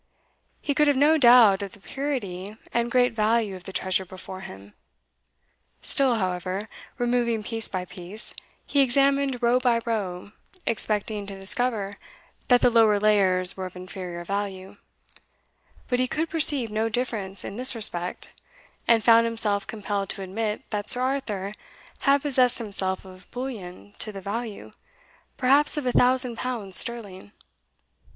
He could have no doubt of the purity and great value of the treasure before him. Still, however, removing piece by piece, he examined row by row, expecting to discover that the lower layers were of inferior value; but he could perceive no difference in this respect, and found himself compelled to admit, that Sir Arthur had possessed himself of bullion to the value, perhaps of a thousand pounds sterling.